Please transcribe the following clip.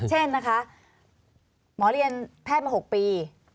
เช่นนะคะหมอเรียนแพทย์มา๖ปี